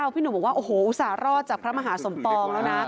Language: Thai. พี่หนุ่มบอกว่าโอ้โหอุตส่าหรอดจากพระมหาสมปองแล้วนะ